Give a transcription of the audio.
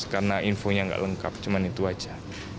karena infonya nggak lengkap cuman itu aja